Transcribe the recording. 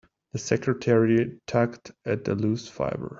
The secretary tugged at a loose fibre.